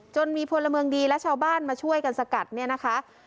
จนมีพลเมืองดีและชาวบ้านมาช่วยกันสกัดเนี่ยนะคะ